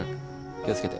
気を付けて。